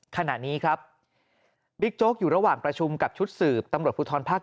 ขณะนี้ครับบิ๊กโจ๊กอยู่ระหว่างประชุมกับชุดสืบตำรวจภูทรภาค๗